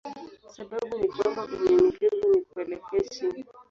Sababu ni kwamba unyenyekevu ni kuelekea chini.